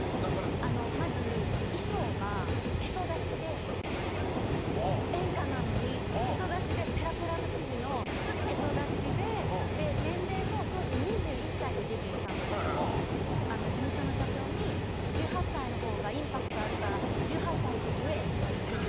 まず、衣装が演歌なのに、へそ出しでペラペラの生地のへそ出しで年齢も当時２１歳でデビューしたんですけど事務所の社長に１８歳のほうがインパクトあるから１８歳って言えって言われて。